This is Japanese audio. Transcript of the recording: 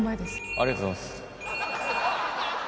ありがとうございます。